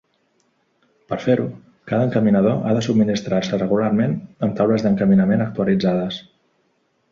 Per fer-ho, cada encaminador ha de subministrar-se regularment amb taules d'encaminament actualitzades.